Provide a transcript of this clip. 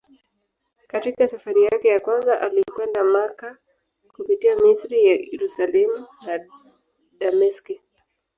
Katika safari yake ya kwanza alikwenda Makka kupitia Misri, Yerusalemu na Dameski.